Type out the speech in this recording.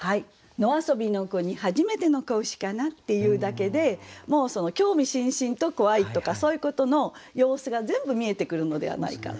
「野遊びの子にはじめての仔牛かな」って言うだけでもうその興味津々と怖いとかそういうことの様子が全部見えてくるのではないかって。